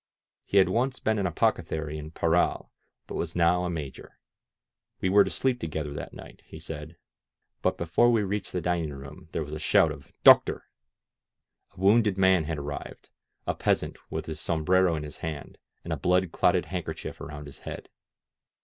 He had once been an apothecary in Parral, but was now a Major. We were to sleep to gether that night, he said. But before we reached the dining room there was a shout of "Doctor!" A wounded man had arrived, a peasant with his sombrero in his hand, and a blood clotted handkerchief around his head.